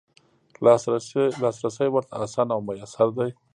لاسرسی ورته اسانه او میسر دی.